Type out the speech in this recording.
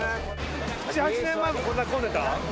７８年前もこんなに混んでた？